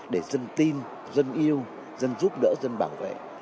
để dân tin dân yêu dân giúp đỡ dân bảo vệ